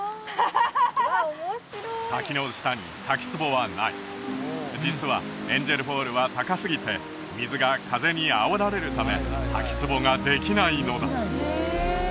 ハハハハハ滝の下に滝つぼはない実はエンジェル・フォールは高すぎて水が風にあおられるため滝つぼができないのだ